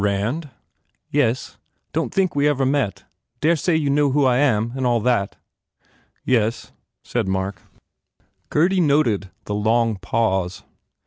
Rand?" "Yes. Don t think we ve ever met. Daresay you know who I am and all that?" "Yes," said Mark. Gurdy noted the long pause.